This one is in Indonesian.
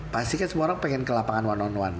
pasti kan semua orang pengen ke lapangan one on one